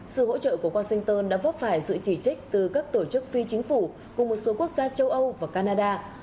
sự hỗ trợ của washington đã vấp phải sự chỉ trích từ các tổ chức phi chính phủ cùng một số quốc gia châu âu và canada